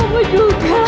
kepalaku sakit serang